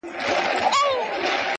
ځوان د خپلي خولگۍ دواړي شونډي قلف کړې_